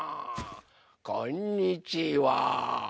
こんにちは。